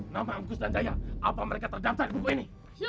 nama angkus dan jaya apa mereka terdampak buku ini